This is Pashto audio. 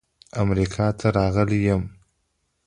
امریکا ته راغلی یم.